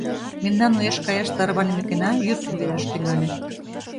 Мемнан уэш каяш тарванымекына йӱр шӱведаш тӱҥале.